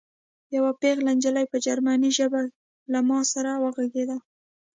یوه پېغله نجلۍ په جرمني ژبه له ما سره وغږېده